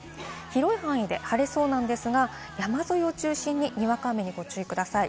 広い範囲で晴れそうですが、山沿いを中心ににわか雨にご注意ください。